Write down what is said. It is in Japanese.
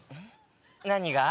何が？